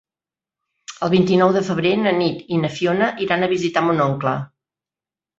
El vint-i-nou de febrer na Nit i na Fiona iran a visitar mon oncle.